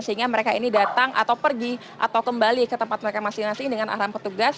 sehingga mereka ini datang atau pergi atau kembali ke tempat mereka masing masing dengan arahan petugas